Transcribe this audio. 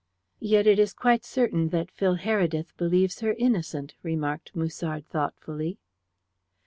"Yet it is quite certain that Phil Heredith believes her innocent," remarked Musard thoughtfully.